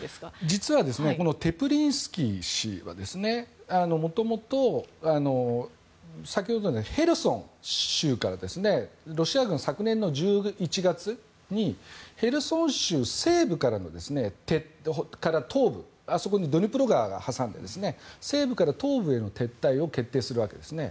実は、テプリンスキー氏は元々、先ほどのヘルソン州からロシア軍、昨年の１１月にヘルソン州西部から東部あそこ、ドニプロ川を挟んで西部から東部への撤退を決定するわけですね。